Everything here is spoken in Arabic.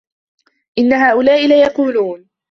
إِنَّ هؤُلاءِ لَيَقولونَ